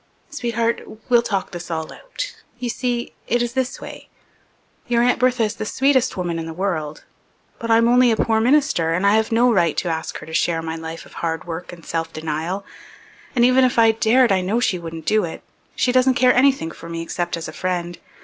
"Sweetheart, we'll talk this all out. You see, it is this way. Your Aunt Bertha is the sweetest woman in the world. But I'm only a poor minister and I have no right to ask her to share my life of hard work and self denial. And even if I dared I know she wouldn't do it. She doesn't care anything for me except as a friend.